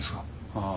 ああ。